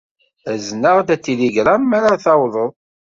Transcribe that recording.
Azen-aɣ-d atiligṛam mi ara tawḍed.